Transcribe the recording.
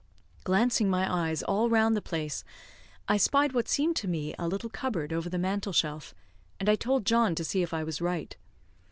Glancing my eyes all round the place, I spied what seemed to me a little cupboard, over the mantel shelf, and I told John to see if I was right.